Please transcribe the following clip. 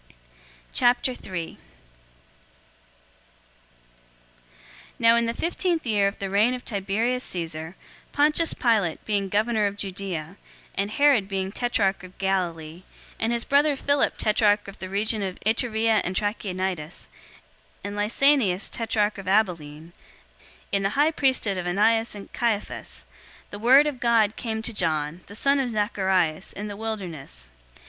003:001 Now in the fifteenth year of the reign of Tiberius Caesar, Pontius Pilate being governor of Judea, and Herod being tetrarch of Galilee, and his brother Philip tetrarch of the region of Ituraea and Trachonitis, and Lysanias tetrarch of Abilene, 003:002 in the high priesthood of Annas and Caiaphas, the word of God came to John, the son of Zacharias, in the wilderness.